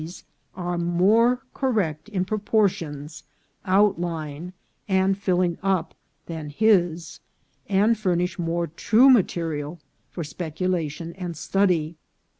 's are more correct in proportions, outline, and filling up than his, and furnish more true material for speculation and study.